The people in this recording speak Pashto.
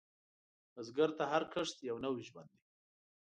بزګر ته هر کښت یو نوی ژوند دی